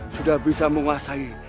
sudah bisa menguasai